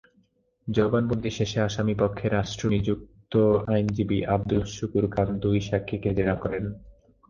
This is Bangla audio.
জবানবন্দি শেষে আসামিপক্ষে রাষ্ট্রনিযুক্ত আইনজীবী আবদুস শুকুর খান দুই সাক্ষীকে জেরা করেন।